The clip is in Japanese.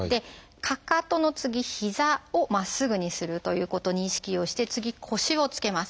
かかとの次膝をまっすぐにするということに意識をして次腰をつけます。